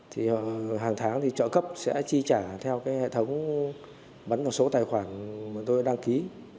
thì hàng tháng trợ cấp sẽ chi trả theo hệ thống bắn vào số tài khoản tôi đăng ký